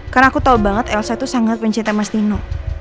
karena aku tau banget elsa tuh sangat pencinta mas dino